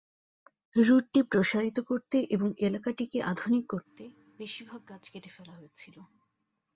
রুটটি প্রসারিত করতে এবং এলাকাটিকে 'আধুনিক' করতে বেশিরভাগ গাছ কেটে ফেলা হয়েছিল।